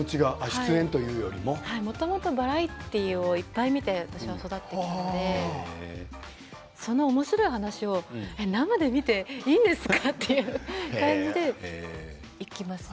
もともとバラエティーをいっぱい見て育ったのでそんなおもしろい話を生で見ていいんですか？という感じでいきますね。